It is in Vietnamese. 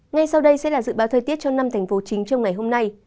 ngay sau đây sẽ là dự báo thời tiết cho năm thành phố chính trong ngày hôm nay